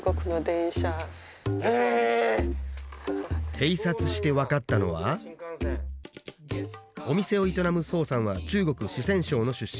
偵察して分かったのはお店を営む宋さんは中国四川省の出身。